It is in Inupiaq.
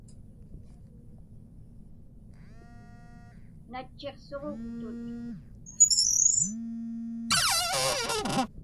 Natchiqsuġuktut.